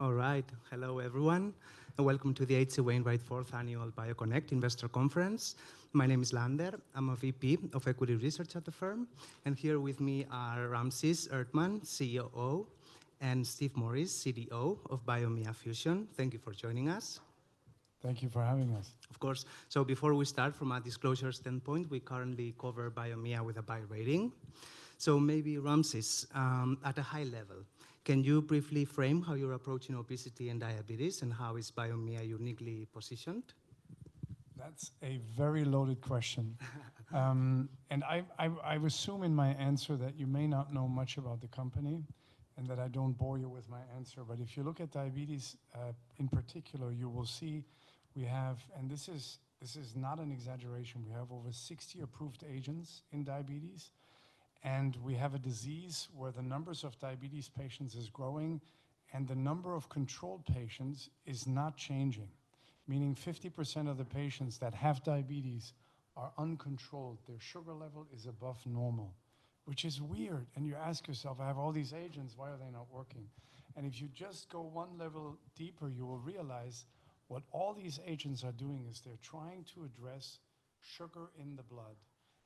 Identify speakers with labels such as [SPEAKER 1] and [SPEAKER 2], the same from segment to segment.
[SPEAKER 1] All right. Hello, everyone, and welcome to the H.C. Wainwright 4th Annual BioConnect Investor Conference. My name is Lander, I'm a VP of Equity Research at the firm, and here with me are Ramses Erdtmann, COO, and Steve Morris, CDO of Biomea Fusion. Thank you for joining us.
[SPEAKER 2] Thank you for having us.
[SPEAKER 1] Of course. Before we start from a disclosure standpoint, we currently cover Biomea with a buy rating. Maybe Ramses, at a high level, can you briefly frame how you're approaching obesity and diabetes, and how is Biomea uniquely positioned?
[SPEAKER 2] That's a very loaded question. I assume in my answer that you may not know much about the company and that I don't bore you with my answer. If you look at diabetes in particular, you will see we have. This is not an exaggeration. We have over 60 approved agents in diabetes, and we have a disease where the numbers of diabetes patients is growing, and the number of controlled patients is not changing, meaning 50% of the patients that have diabetes are uncontrolled. Their sugar level is above normal, which is weird. You ask yourself, "I have all these agents, why are they not working?" If you just go one level deeper, you will realize what all these agents are doing is they're trying to address sugar in the blood,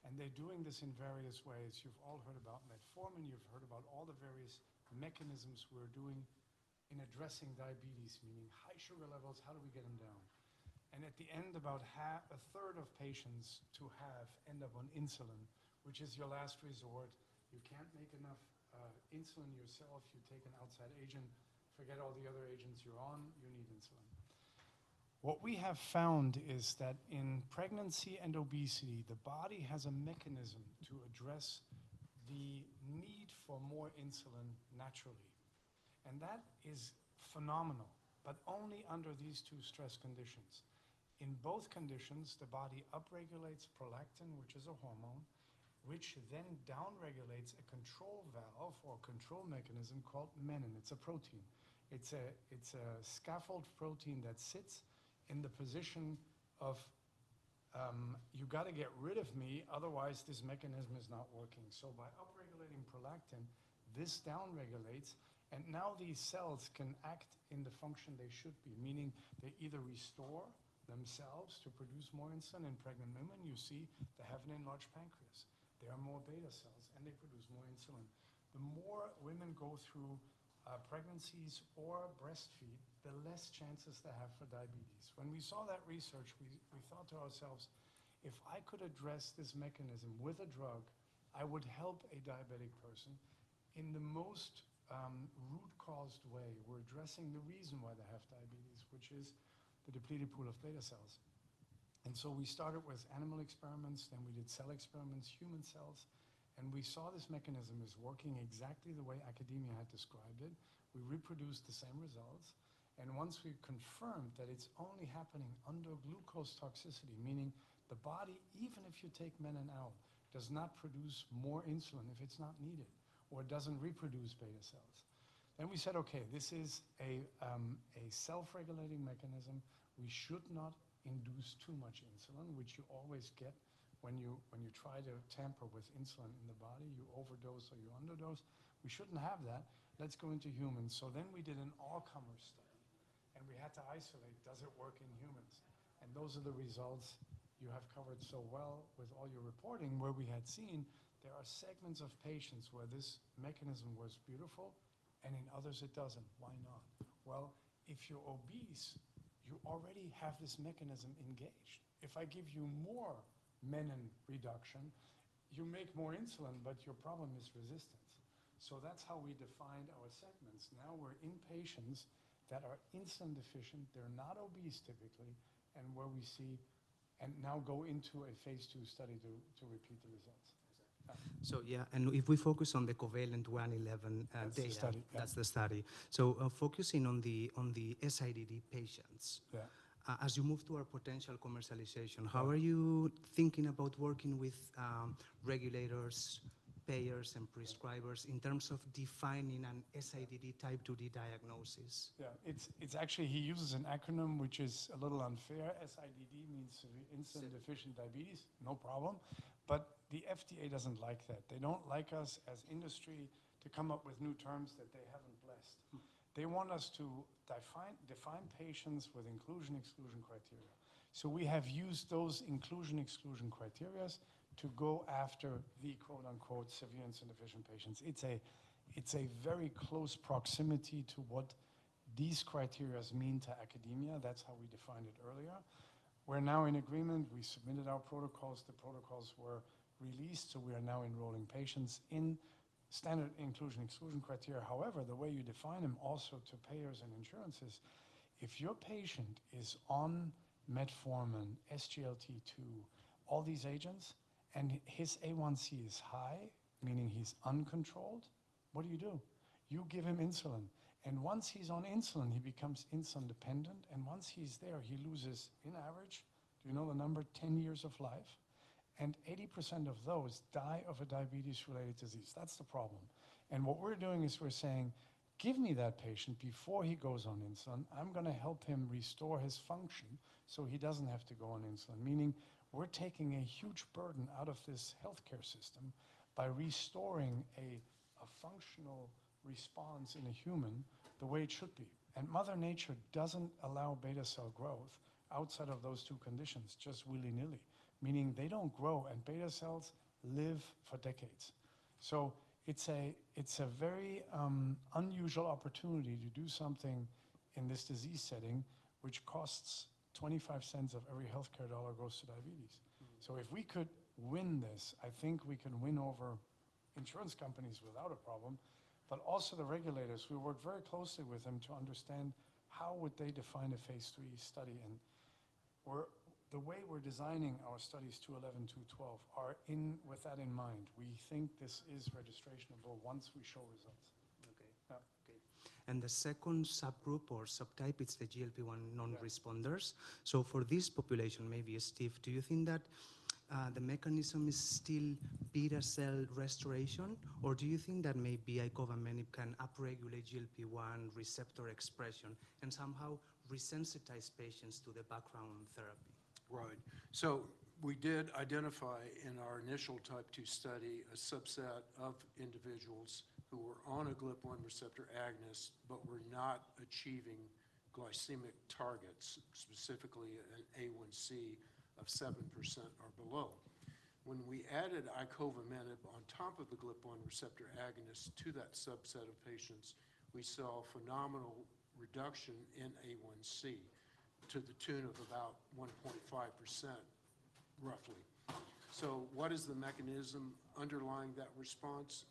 [SPEAKER 2] and they're doing this in various ways. You've all heard about metformin, you've heard about all the various mechanisms we're doing in addressing diabetes, meaning high sugar levels, how do we get them down? At the end, about 1/3 of patients to have end up on insulin, which is your last resort. You can't make enough insulin yourself. You take an outside agent, forget all the other agents you're on, you need insulin. What we have found is that in pregnancy and obesity, the body has a mechanism to address the need for more insulin naturally. That is phenomenal, but only under these two stress conditions. In both conditions, the body upregulates prolactin, which is a hormone, which then downregulates a control valve or control mechanism called menin. It's a protein. It's a scaffold protein that sits in the position of, you gotta get rid of me, otherwise this mechanism is not working. By upregulating prolactin, this downregulates, and now these cells can act in the function they should be, meaning they either restore themselves to produce more insulin. In pregnant women, you see they have an enlarged pancreas. There are more beta cells, and they produce more insulin. The more women go through pregnancies or breastfeed, the less chances they have for diabetes. When we saw that research, we thought to ourselves, if I could address this mechanism with a drug, I would help a diabetic person in the most root cause way. We're addressing the reason why they have diabetes, which is the depleted pool of beta cells. We started with animal experiments. We did cell experiments, human cells, and we saw this mechanism is working exactly the way academia had described it. We reproduced the same results. Once we confirmed that it's only happening under glucose toxicity, meaning the body, even if you take menin out, does not produce more insulin if it's not needed or doesn't reproduce beta cells. We said, "Okay, this is a self-regulating mechanism. We should not induce too much insulin," which you always get when you try to tamper with insulin in the body. You overdose or you underdose. We shouldn't have that. Let's go into humans. We did an all-comer study. We had to isolate, does it work in humans? Those are the results you have covered so well with all your reporting, where we had seen there are segments of patients where this mechanism was beautiful, and in others it doesn't. Why not? Well, if you're obese, you already have this mechanism engaged. If I give you more menin reduction, you make more insulin, but your problem is resistance. That's how we defined our segments. Now we're in patients that are insulin deficient. They're not obese typically, and where we see, and now go into a phase II study to repeat the results.
[SPEAKER 1] If we focus on the COVALENT-111.
[SPEAKER 2] That's the study. Yeah.
[SPEAKER 1] That's the study. Focusing on the SIDD patients.
[SPEAKER 2] Yeah.
[SPEAKER 1] As you move to a potential commercialization, how are you thinking about working with regulators, payers, and prescribers in terms of defining an SIDD type 2 diagnosis?
[SPEAKER 2] Yeah. It's actually, he uses an acronym which is a little unfair. SIDD means severe insulin-
[SPEAKER 1] Insulin.
[SPEAKER 2] deficient diabetes, no problem. The FDA doesn't like that. They don't like us as industry to come up with new terms that they haven't blessed. They want us to define patients with inclusion, exclusion criteria. We have used those inclusion, exclusion criteria to go after the quote-unquote "severe insulin deficient patients." It's a very close proximity to what these criteria mean to academia. That's how we defined it earlier. We're now in agreement. We submitted our protocols. The protocols were released, we are now enrolling patients in standard inclusion, exclusion criteria. However, the way you define them also to payers and insurances, if your patient is on metformin, SGLT2, all these agents, and his A1C is high, meaning he's uncontrolled, what do you do? You give him insulin. Once he's on insulin, he becomes insulin dependent, once he's there, he loses, in average, do you know the number? 10 years of life. 80% of those die of a diabetes related disease. That's the problem. What we're doing is we're saying, "Give me that patient before he goes on insulin. I'm gonna help him restore his function, so he doesn't have to go on insulin". Meaning, we're taking a huge burden out of this healthcare system by restoring a functional response in a human the way it should be. Mother nature doesn't allow beta cell growth outside of those two conditions just willy-nilly, meaning they don't grow, and beta cells live for decades. It's a, it's a very unusual opportunity to do something in this disease setting, which costs $0.25 of every healthcare dollar goes to diabetes. If we could win this, I think we can win over insurance companies without a problem, but also the regulators. We work very closely with them to understand how would they define a phase III study. The way we're designing our studies COVALENT-211, COVALENT-212 are in with that in mind. We think this is registrationable once we show results.
[SPEAKER 1] Okay. Okay. The second subgroup or subtype, it's the GLP-1 non-responders.
[SPEAKER 2] Yeah.
[SPEAKER 1] For this population, maybe, Steve, do you think that the mechanism is still beta cell restoration, or do you think that maybe icovamenib can upregulate GLP-1 receptor expression and somehow resensitize patients to the background therapy?
[SPEAKER 3] Right. We did identify in our initial type 2 study a subset of individuals who were on a GLP-1 receptor agonist, but were not achieving glycemic targets, specifically an A1C of 7% or below. When we added icovamenib on top of the GLP-1 receptor agonist to that subset of patients, we saw a phenomenal reduction in A1C to the tune of about 1.5%, roughly. What is the mechanism underlying that response?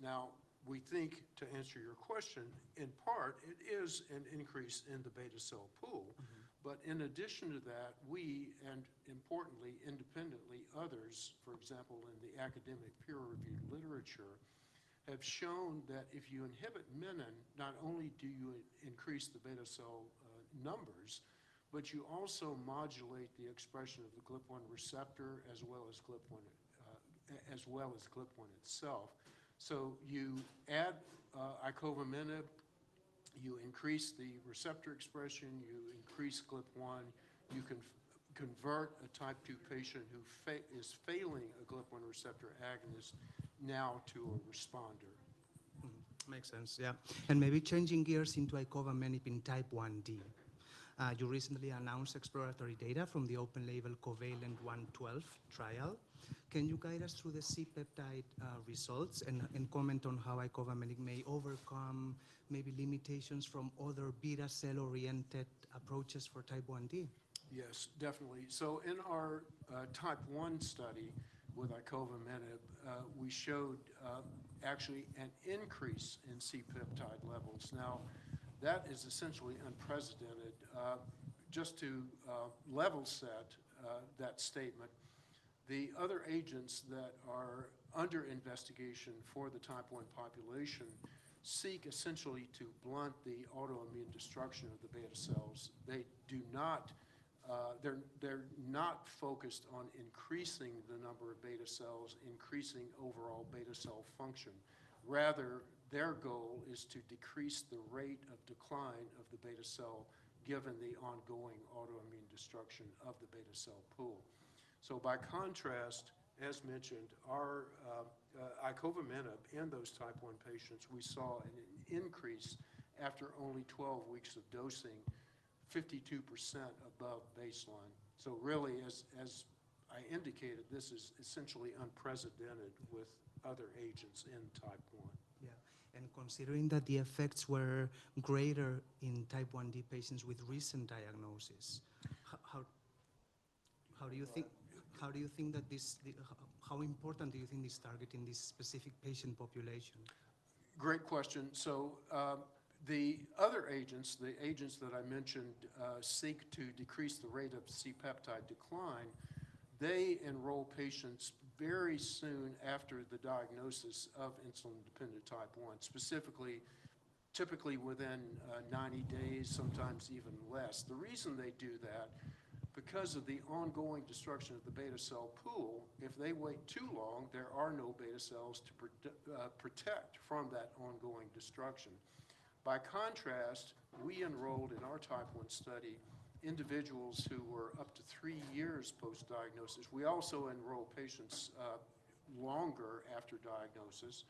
[SPEAKER 3] We think, to answer your question, in part, it is an increase in the beta cell pool. In addition to that, we and importantly independently others, for example, in the academic peer-reviewed literature, have shown that if you inhibit menin, not only do you increase the beta cell numbers, but you also modulate the expression of the GLP-1 receptor as well as GLP-1 as well as GLP-1 itself. You add icovamenib, you increase the receptor expression, you increase GLP-1, you convert a type 2 patient who is failing a GLP-1 receptor agonist now to a responder.
[SPEAKER 1] Mm-hmm. Makes sense. Yeah. Maybe changing gears into icovamenib in Type 1D. You recently announced exploratory data from the open label COVALENT-112 trial. Can you guide us through the C-peptide results and comment on how icovamenib may overcome maybe limitations from other beta cell-oriented approaches for Type 1D?
[SPEAKER 3] Yes, definitely. In our type 1 study with icovamenib, we showed actually an increase in C-peptide levels. Now, that is essentially unprecedented. Just to level set that statement, the other agents that are under investigation for the type 1 population seek essentially to blunt the autoimmune destruction of the beta cells. They do not, they're not focused on increasing the number of beta cells, increasing overall beta cell function. Rather, their goal is to decrease the rate of decline of the beta cell given the ongoing autoimmune destruction of the beta cell pool. By contrast, as mentioned, our icovamenib in those type 1 patients, we saw an increase after only 12 weeks of dosing 52% above baseline. Really, as I indicated, this is essentially unprecedented with other agents in type 1.
[SPEAKER 1] Yeah. Considering that the effects were greater in Type 1D patients with recent diagnosis, how?
[SPEAKER 3] Right. Yeah
[SPEAKER 1] How do you think that how important do you think this targeting this specific patient population?
[SPEAKER 3] Great question. The other agents, the agents that I mentioned, seek to decrease the rate of C-peptide decline. They enroll patients very soon after the diagnosis of insulin-dependent type 1, specifically typically within 90 days, sometimes even less. The reason they do that, because of the ongoing destruction of the beta cell pool, if they wait too long, there are no beta cells to protect from that ongoing destruction. By contrast, we enrolled in our Type 1 study individuals who were up to three years post-diagnosis. We also enroll patients longer after diagnosis.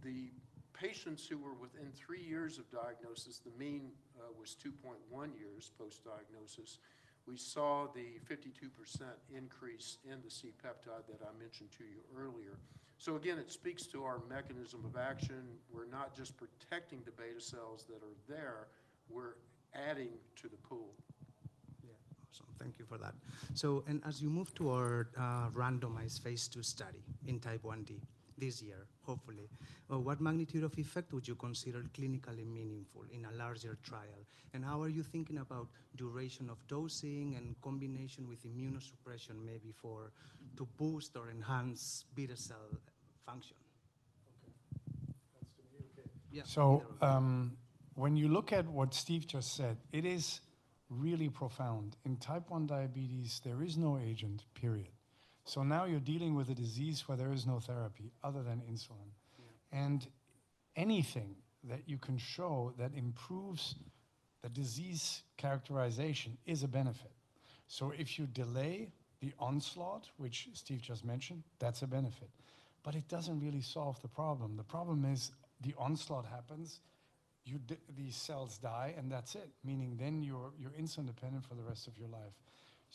[SPEAKER 3] The patients who were within three years of diagnosis, the mean was 2.1 years post-diagnosis. We saw the 52% increase in the C-peptide that I mentioned to you earlier. Again, it speaks to our mechanism of action. We're not just protecting the beta cells that are there. We're adding to the pool.
[SPEAKER 1] Yeah. Awesome. Thank you for that. As you move to our randomized phase II study in Type 1D this year, hopefully, what magnitude of effect would you consider clinically meaningful in a larger trial? How are you thinking about duration of dosing and combination with immunosuppression, maybe to boost or enhance beta cell function?
[SPEAKER 2] Okay. That's to me? Okay.
[SPEAKER 1] Yeah.
[SPEAKER 2] When you look at what Steve just said, it is really profound. In Type 1 diabetes, there is no agent, period. Now you're dealing with a disease where there is no therapy other than insulin.
[SPEAKER 1] Yeah.
[SPEAKER 2] Anything that you can show that improves the disease characterization is a benefit. If you delay the onslaught, which Steve just mentioned, that's a benefit. It doesn't really solve the problem. The problem is the onslaught happens, these cells die, and that's it. Meaning then you're insulin dependent for the rest of your life.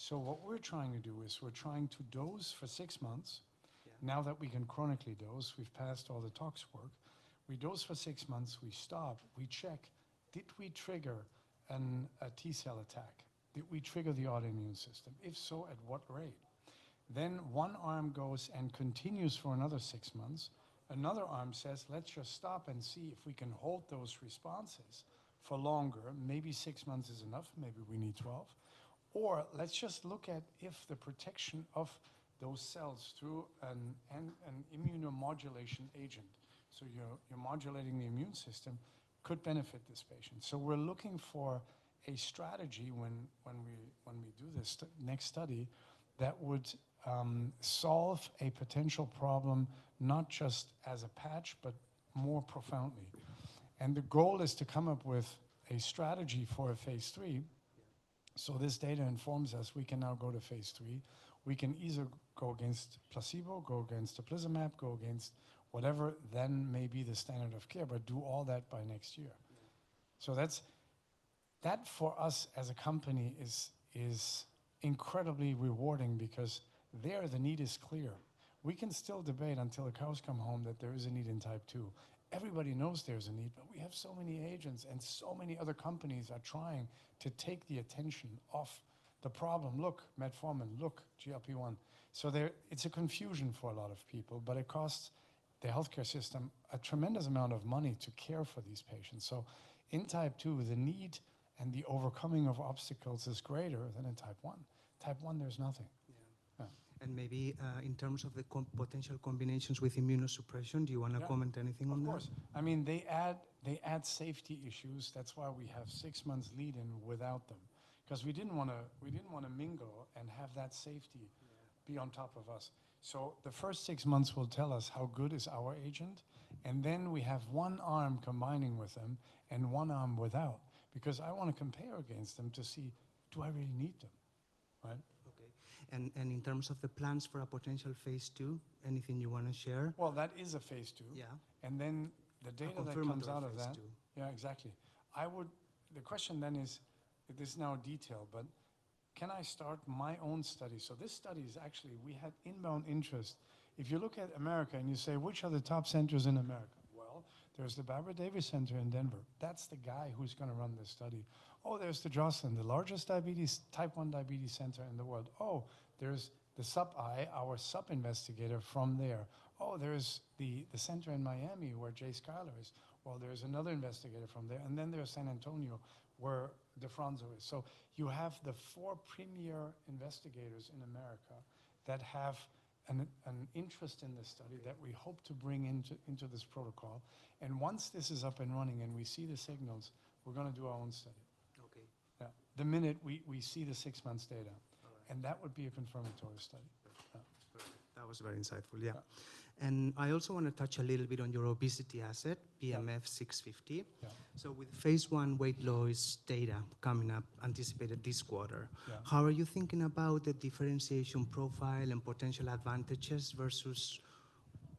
[SPEAKER 2] What we're trying to do is we're trying to dose for six months.
[SPEAKER 1] Yeah.
[SPEAKER 2] Now that we can chronically dose, we've passed all the tox work. We dose for six months, we stop, we check. Did we trigger a T cell attack? Did we trigger the autoimmune system? If so, at what rate? One arm goes and continues for another six months. Another arm says, "Let's just stop and see if we can hold those responses for longer." Maybe six months is enough, maybe we need 12. Let's just look at if the protection of those cells through an immunomodulation agent, so you're modulating the immune system, could benefit this patient. We're looking for a strategy when we do this next study that would solve a potential problem not just as a patch but more profoundly. The goal is to come up with a strategy for a phase III.
[SPEAKER 1] Yeah.
[SPEAKER 2] This data informs us we can now go to phase III. We can either go against placebo, go against teplizumab, go against whatever then may be the standard of care, but do all that by next year.
[SPEAKER 1] Yeah.
[SPEAKER 2] That's, that for us as a company is incredibly rewarding because there the need is clear. We can still debate until the cows come home that there is a need in type 2. Everybody knows there's a need, but we have so many agents and so many other companies are trying to take the attention off the problem. Look, metformin. Look, GLP-1. There, it's a confusion for a lot of people, but it costs the healthcare system a tremendous amount of money to care for these patients. In type 2, the need and the overcoming of obstacles is greater than in type 1. Type 1, there's nothing.
[SPEAKER 1] Yeah.
[SPEAKER 2] Yeah.
[SPEAKER 1] Maybe, in terms of the potential combinations with immunosuppression, do you wanna comment anything on that?
[SPEAKER 2] Yeah, of course. I mean, they add safety issues. That's why we have six months lead in without them. 'Cause we didn't wanna mingle.
[SPEAKER 1] Yeah
[SPEAKER 2] And have that safety be on top of us. The first six months will tell us how good is our agent, and then we have one arm combining with them and one arm without. I wanna compare against them to see, do I really need them? Right?
[SPEAKER 1] Okay. In terms of the plans for a potential phase II, anything you wanna share?
[SPEAKER 2] Well, that is a phase II.
[SPEAKER 1] Yeah.
[SPEAKER 2] The data that comes out of that.
[SPEAKER 1] A confirmatory phase II.
[SPEAKER 2] Yeah, exactly. The question is this now detail, but can I start my own study? This study is actually we had inbound interest. If you look at America and you say, "Which are the top centers in America?" Well, there's the Barbara Davis Center in Denver. That's the guy who's gonna run this study. Oh, there's the Joslin, the largest type 1 diabetes center in the world. Oh, there's the sub I, our sub-investigator from there. Oh, there's the center in Miami where Jay Skyler is. Well, there's another investigator from there. There's San Antonio, where DeFronzo is. You have the four premier investigators in America that have an interest in this study.
[SPEAKER 1] Okay.
[SPEAKER 2] That we hope to bring into this protocol. Once this is up and running and we see the signals, we're gonna do our own study.
[SPEAKER 1] Okay.
[SPEAKER 2] Yeah. The minute we see the six months data.
[SPEAKER 1] All right.
[SPEAKER 2] That would be a confirmatory study.
[SPEAKER 1] Perfect.
[SPEAKER 2] Yeah.
[SPEAKER 1] That was very insightful, yeah.
[SPEAKER 2] Yeah.
[SPEAKER 1] I also wanna touch a little bit on your obesity asset.
[SPEAKER 2] Yeah
[SPEAKER 1] BMF-650.
[SPEAKER 2] Yeah.
[SPEAKER 1] With phase I weight loss data coming up anticipated this quarter.
[SPEAKER 2] Yeah
[SPEAKER 1] How are you thinking about the differentiation profile and potential advantages versus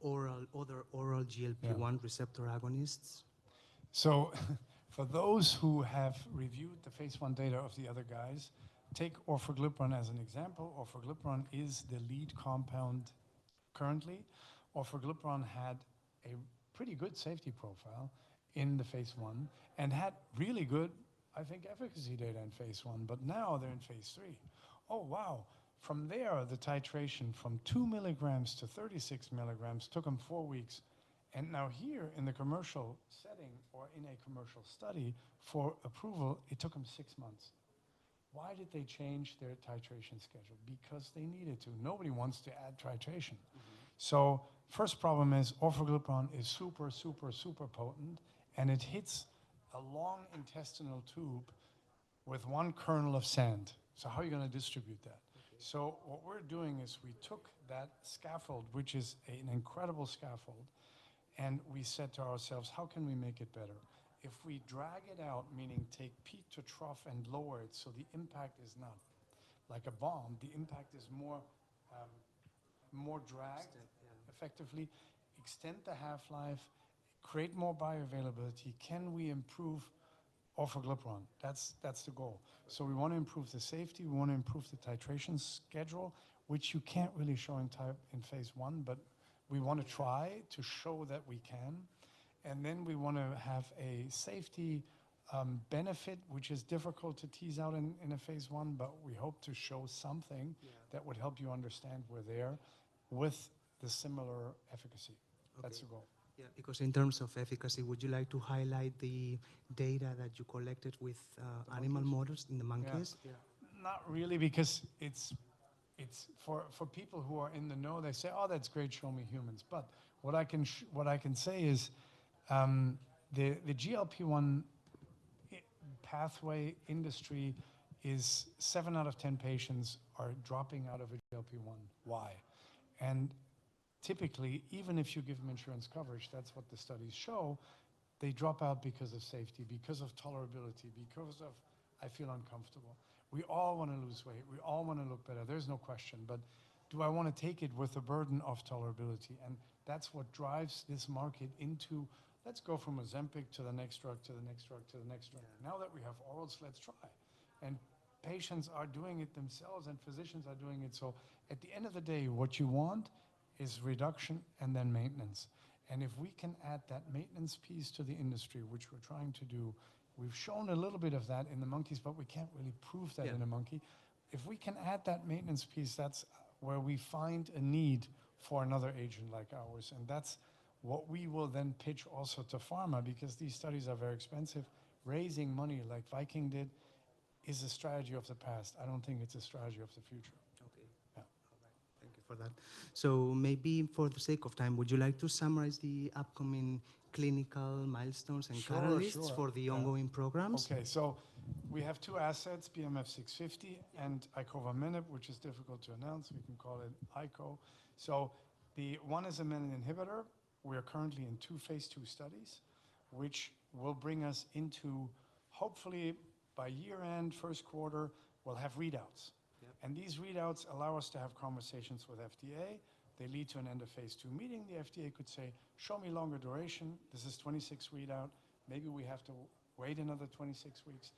[SPEAKER 1] other oral GLP-1 receptor agonists?
[SPEAKER 2] Yeah. For those who have reviewed the phase I data of the other guys, take orforglipron as an example. Orforglipron is the lead compound currently. Orforglipron had a pretty good safety profile in the phase I and had really good, I think, efficacy data in phase I, but now they're in phase III. From there the titration from 2 mg-36 mg took them four weeks, and now here in the commercial setting or in a commercial study for approval, it took them six months. Why did they change their titration schedule? Because they needed to. Nobody wants to add titration. First problem is orforglipron is super, super potent, and it hits a long intestinal tube with 1 kernel of sand. How are you gonna distribute that?
[SPEAKER 1] Okay.
[SPEAKER 2] What we're doing is we took that scaffold, which is an incredible scaffold, and we said to ourselves, "How can we make it better?" If we drag it out, meaning take peak to trough and lower it so the impact is not like a bomb, the impact is more.
[SPEAKER 1] Extended, yeah.
[SPEAKER 2] Effectively, extend the half-life, create more bioavailability, can we improve orforglipron? That's the goal.
[SPEAKER 1] Okay.
[SPEAKER 2] We wanna improve the safety. We wanna improve the titration schedule, which you can't really show in phase I, but we wanna try to show that we can. We wanna have a safety benefit, which is difficult to tease out in a phase I, but we hope to show something.
[SPEAKER 1] Yeah
[SPEAKER 2] that would help you understand we're there with the similar efficacy.
[SPEAKER 1] Okay.
[SPEAKER 2] That's the goal.
[SPEAKER 1] Yeah, because in terms of efficacy, would you like to highlight the data that you collected with
[SPEAKER 2] Of course.
[SPEAKER 1] animal models in the monkeys?
[SPEAKER 2] Yeah. Not really because it's for people who are in the know, they say, "Oh, that's great. Show me humans." What I can say is the GLP-1 pathway industry is seven out of 10 patients are dropping out of a GLP-1. Why? Typically, even if you give them insurance coverage, that's what the studies show, they drop out because of safety, because of tolerability, because of, "I feel uncomfortable." We all wanna lose weight. We all wanna look better. There's no question. Do I wanna take it with the burden of tolerability? That's what drives this market into, let's go from Ozempic to the next drug, to the next drug, to the next drug.
[SPEAKER 1] Yeah.
[SPEAKER 2] Now that we have orals, let's try. Patients are doing it themselves, and physicians are doing it. At the end of the day, what you want is reduction and then maintenance, and if we can add that maintenance piece to the industry, which we're trying to do, we've shown a little bit of that in the monkeys, but we can't really prove that in a monkey.
[SPEAKER 1] Yeah.
[SPEAKER 2] If we can add that maintenance piece, that's where we find a need for another agent like ours, and that's what we will then pitch also to pharma because these studies are very expensive. Raising money like Viking did is a strategy of the past. I don't think it's a strategy of the future.
[SPEAKER 1] Okay.
[SPEAKER 2] Yeah.
[SPEAKER 1] All right. Thank you for that. Maybe for the sake of time, would you like to summarize the upcoming clinical milestones?
[SPEAKER 2] Sure.
[SPEAKER 1] catalysts for the ongoing programs?
[SPEAKER 2] Okay. We have two assets, BMF-650 and icovamenib, which is difficult to announce. We can call it ico. The one is a menin inhibitor. We are currently in two phase II studies, which will bring us into hopefully by year-end, first quarter, we'll have readouts.
[SPEAKER 1] Yeah.
[SPEAKER 2] These readouts allow us to have conversations with FDA. They lead to an an end of phase II meeting. The FDA could say, "Show me longer duration. This is 26 readout. Maybe we have to wait another 26 weeks."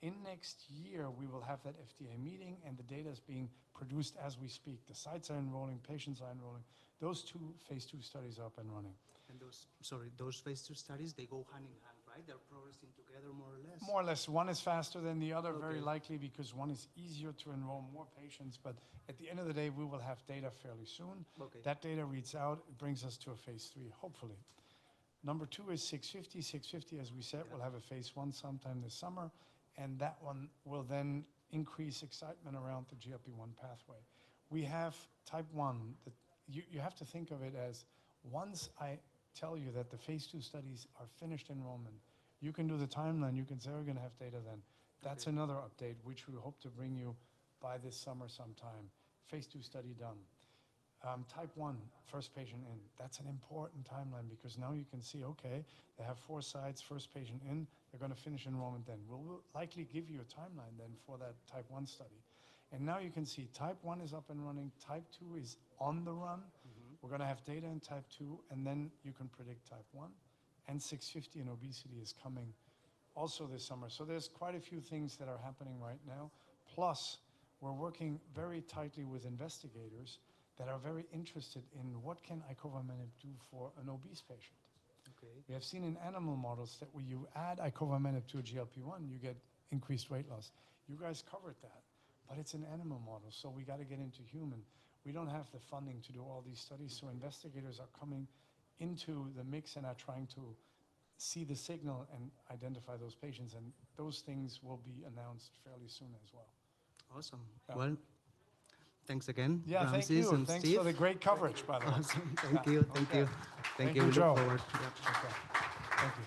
[SPEAKER 2] In next year, we will have that FDA meeting, and the data is being produced as we speak. The sites are enrolling. Patients are enrolling. Those two phase II studies are up and running.
[SPEAKER 1] Sorry, those phase II studies, they go hand in hand, right? They're progressing together more or less?
[SPEAKER 2] More or less. One is faster than the other
[SPEAKER 1] Okay.
[SPEAKER 2] very likely because one is easier to enroll more patients. At the end of the day, we will have data fairly soon.
[SPEAKER 1] Okay.
[SPEAKER 2] That data reads out. It brings us to a phase III, hopefully. Number two is 650. 650, as we said
[SPEAKER 1] Yeah
[SPEAKER 2] will have a phase I sometime this summer. That one will then increase excitement around the GLP-1 pathway. We have type 1. You have to think of it as once I tell you that the phase II studies are finished enrollment, you can do the timeline. You can say, "We're gonna have data then.
[SPEAKER 1] Okay.
[SPEAKER 2] That's another update which we hope to bring you by this summer sometime. phase II study done. Type 1, first patient in. That's an important timeline because now you can see, okay, they have four sites, first patient in, they're gonna finish enrollment then. We'll likely give you a timeline then for that type 1 study. Now you can see type 1 is up and running. Type 2 is on the run. We're gonna have data in type 2. Then you can predict type 1. BMF-650 in obesity is coming also this summer. There's quite a few things that are happening right now. Plus, we're working very tightly with investigators that are very interested in what can icovamenib do for an obese patient.
[SPEAKER 1] Okay.
[SPEAKER 2] We have seen in animal models that when you add icovamenib to a GLP-1, you get increased weight loss. You guys covered that, but it's an animal model, so we gotta get into human. We don't have the funding to do all these studies. Investigators are coming into the mix and are trying to see the signal and identify those patients, and those things will be announced fairly soon as well.
[SPEAKER 1] Awesome.
[SPEAKER 2] Yeah.
[SPEAKER 1] Well, thanks again.
[SPEAKER 2] Yeah. Thank you.
[SPEAKER 1] Ramses and Steve.
[SPEAKER 2] Thanks for the great coverage, by the way.
[SPEAKER 1] Awesome. Thank you. Thank you.
[SPEAKER 2] Yeah.
[SPEAKER 1] Thank you.
[SPEAKER 2] Thank you, Joe.
[SPEAKER 1] Look forward. Yeah.
[SPEAKER 2] Okay. Thank you.